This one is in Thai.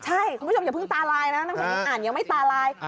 ใช่คุณผู้ชมอย่าเพิ่งตารายนะอ่านยังไม่ตาราย